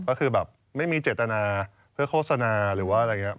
ก็คือแบบไม่มีเจตนาเพื่อโฆษณาหรือว่าอะไรอย่างนี้